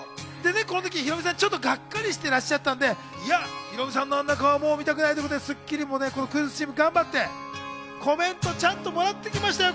このときヒロミさん、ちょっとがっかりしてらっしゃったので、ヒロミさんのあんな顔をもう見たくないってことで『スッキリ』もクイズッスチーム頑張って、コメントちゃんともらってきましたよ。